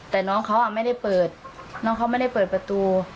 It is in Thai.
แต่น้องเขาไม่ได้เปิดน้องเขาไม่ได้เปิดประตู